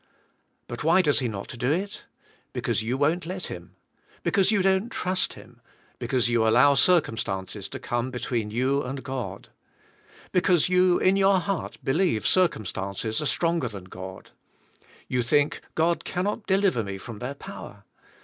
But why does He not do it ? Because you won't let Him. Because you don't trust Him. Because you allow circum stances to come between you and God. Because you in your heart believe circumstances are stronger 234 THE SPIRITUAL LIFE. than God. You think, God cannot deliver me from their power.